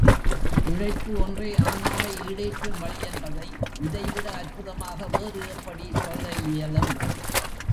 உழைப்பு ஒன்றே ஆன்மாவை ஈடேற்றும் வழி என்பதை, இதைவிட அற்புதமாக வேறு எப்படி சொல்ல இயலும்?